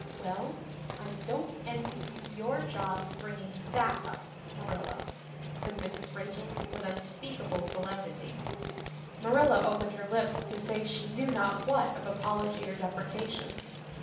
"Well, I don't envy you your job bringing that up, Marilla," said Mrs. Rachel with unspeakable solemnity. Marilla opened her lips to say she knew not what of apology or deprecation.